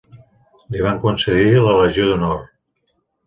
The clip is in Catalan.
Li van concedir la Legió d'Honor.